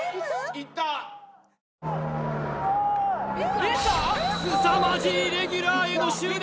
いったすさまじいレギュラーへの執念